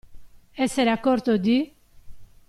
Essere a corto di.